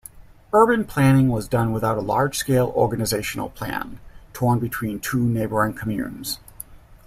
Urban planning was done without a large-scale organizational plan, torn between two neighbouring communes.